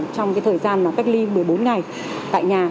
trong thời gian cách ly một mươi bốn ngày tại nhà